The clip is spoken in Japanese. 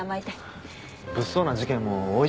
物騒な事件も多いしね